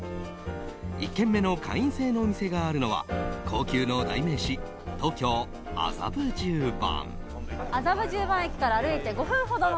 １軒目の会員制のお店があるのは高級の代名詞、東京・麻布十番。